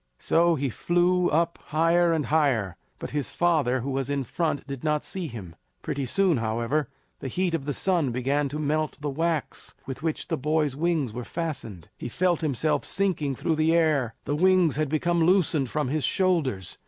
So he flew up higher and higher, but his father who was in front did not see him. Pretty soon, however, the heat of the sun began to melt the wax with which the boy's wings were fastened. He felt himself sinking through the air; the wings had become loosened from his shoulders.